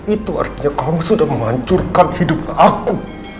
itu artinya kamu sudah menghancurkan hidup aku